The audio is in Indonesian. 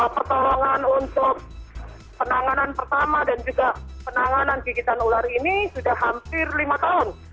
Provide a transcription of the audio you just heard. pertolongan untuk penanganan pertama dan juga penanganan gigitan ular ini sudah hampir lima tahun